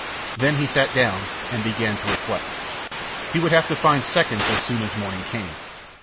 Then he sat down, and began to reflect. He would have to find seconds as soon as morning came.